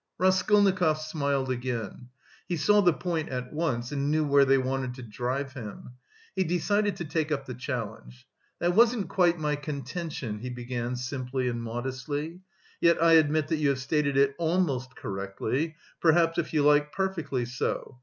Raskolnikov smiled again. He saw the point at once, and knew where they wanted to drive him. He decided to take up the challenge. "That wasn't quite my contention," he began simply and modestly. "Yet I admit that you have stated it almost correctly; perhaps, if you like, perfectly so."